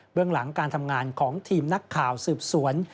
เรื่องหลังการทำงานของทีมนักข่าวสืบสวน